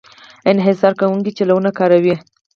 انحصار کوونکی چلونه کاروي.